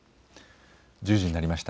１０時になりました。